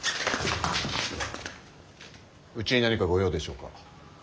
うちに何か御用でしょうか？